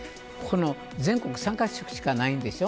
全国３カ所しかないんでしょ。